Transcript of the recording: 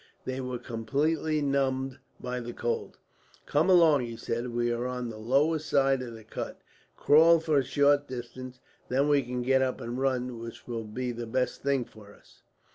They were completely numbed by the cold. "Come along," he said. "We are on the lower side of the cut. Crawl for a short distance, then we can get up and run, which will be the best thing for us."